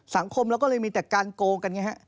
สังคมก็มีแต่การโกงกัน